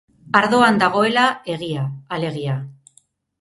Ardoan dagoela egia, alegia.